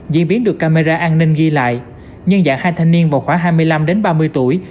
diễn biến được camera an ninh ghi lại nhân dạng hai thanh niên vào khoảng hai mươi năm ba mươi tuổi